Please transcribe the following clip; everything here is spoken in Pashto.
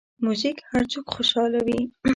موزیک هر څوک خوشحالوي.